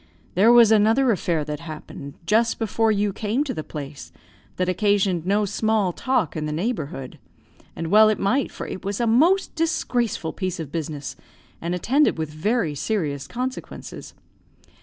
"There was another affair that happened, just before you came to the place, that occasioned no small talk in the neighbourhood; and well it might, for it was a most disgraceful piece of business, and attended with very serious consequences.